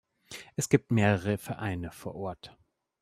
Es gibt mehrere Vereine vor Ort.